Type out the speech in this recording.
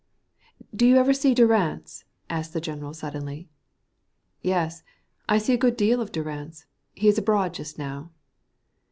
"Do you ever see Durrance?" asked the general, suddenly. "Yes, I see a good deal of Durrance. He is abroad just now."